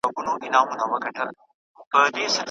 که مینه وي نو ژاله نه وي.